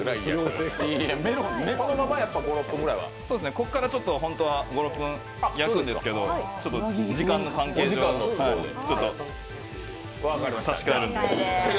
ここからちょっとホントは５６分焼くんですけど時間の関係で差し替えます。